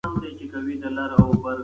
موږ باید د خپلو لارو کثافات ټول کړو.